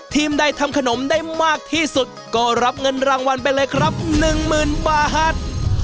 ใดทำขนมได้มากที่สุดก็รับเงินรางวัลไปเลยครับ๑๐๐๐บาท